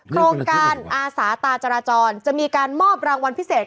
โครงการอาสาตาจราจรจะมีการมอบรางวัลพิเศษ